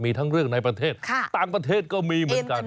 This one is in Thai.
มีทั้งเรื่องในประเทศต่างประเทศก็มีเหมือนกัน